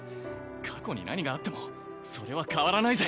過去に何があってもそれは変わらないぜ